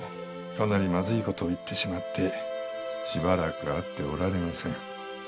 かなりまずい事を言ってしまってしばらく会っておられません。